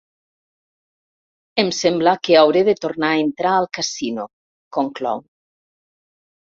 Em sembla que hauré de tornar a entrar al casino —conclou.